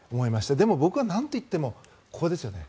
でも、僕はなんと言ってもここですよね。